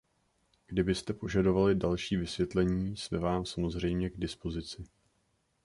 Kdybyste požadovali další vysvětlení, jsme vám samozřejmě k dispozici.